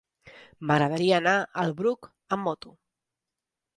M'agradaria anar al Bruc amb moto.